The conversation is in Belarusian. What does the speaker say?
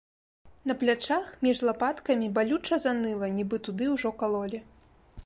На плячах, між лапаткамі, балюча заныла, нібы туды ўжо калолі.